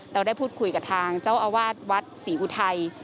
เราได้พูดคุยกับทางเจ้าอาวาสวัดศรีอุทัย